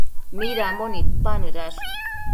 Midambo nidpanëdash?